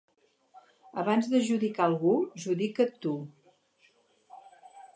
Abans de judicar algú, judica't tu.